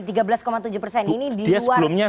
dia sebelumnya sudah masuk